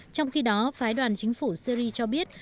trong khi đó phái đoàn chính phủ syri cho biết